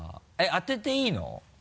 当てていいの？